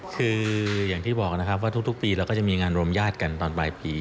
คืออย่างที่บอกนะครับว่าทุกปีเราก็จะมีงานรมญาติกันตอนปลายปี